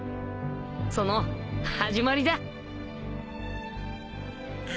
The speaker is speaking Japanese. その始まりだ。